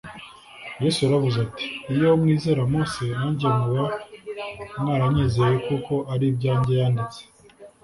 Yesu yaravuze ati, “Iyo mwizera Mose, nanjye muba mwaranyizeye kuko ari ibyanjye yanditse